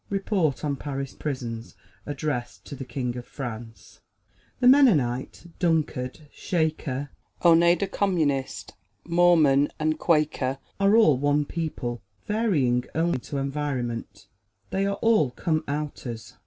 Report on Paris Prisons, Addressed to the King of France [Illustration: ELIZABETH FRY] The Mennonite, Dunkard, Shaker, Oneida Communist, Mormon and Quaker are all one people, varying only according to environment. They are all Come Outers.